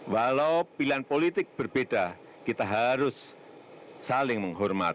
walau pilihan politik berbeda tetapi kita harus saling menghargai